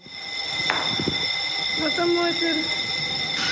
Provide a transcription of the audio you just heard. また燃えてる。